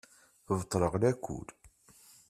Beṭleɣ lakul.